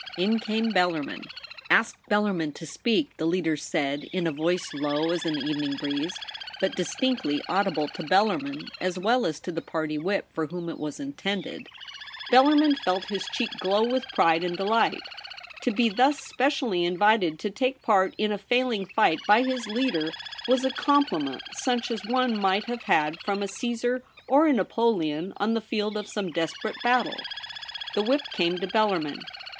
In came Bellarmin. 'Ask Bellarmin to speak,' the leader said, in a voice low as an evening breeze, but distinctly audible to Bellarmin as well as to the party whip, for whom it was intended. 13—2 196 THE REBEL ROSE. Bellarmin felt his cheek glow with pride and delight. To be thus specially invited to take part in a failing fight by his leader was a compliment such as one might have had from a Csesar or a Napoleon on the field of some desperate battle. The whip came to Bellarmin.